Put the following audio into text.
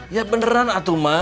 ya beneran atuk mak